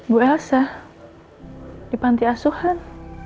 bu elsa di panti asuhan